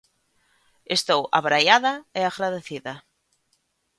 Estou abraiada e agradecida.